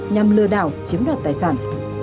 nhằm lừa đảo chiếm đoạt tài sản